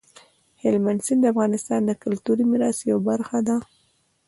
هلمند سیند د افغانستان د کلتوري میراث یوه برخه ده.